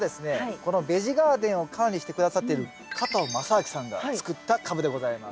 このベジガーデンを管理して下さっている加藤正明さんが作ったカブでございます。